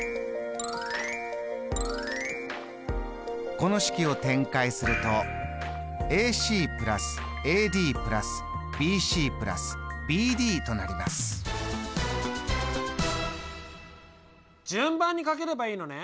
この式を展開すると順番にかければいいのね。